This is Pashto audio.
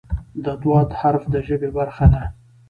د "ض" حرف د ژبې برخه ده.